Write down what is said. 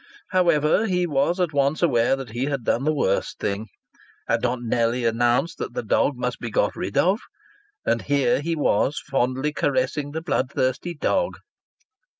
However, he was at once aware that he had done the worst thing. Had not Nellie announced that the dog must be got rid of? And here he was fondly caressing the bloodthirsty dog!